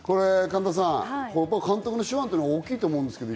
神田さん、監督の手腕って大きいと思いますね。